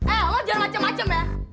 eh lo jangan macem macem ya